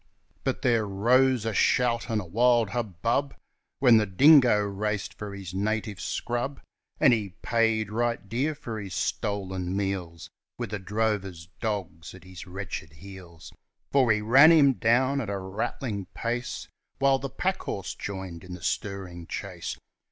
But there rose a shout and a wild hubbub When the dingo raced for his native scrub, And he paid right dear for his stolen meals With the drover's dogs at his wretched heels. For we ran him down at a rattling pace, While the packhorse joined in the stirring chase.